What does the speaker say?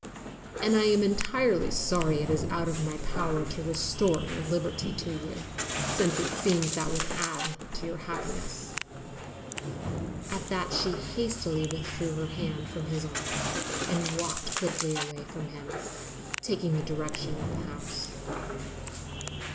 "And I am exceedingly sorry it is out of my power to restore your liberty to you, since it seems that would add to your happiness." At that she hastily withdrew her hand from his arm and walked quickly away from him, taking the direction of the house.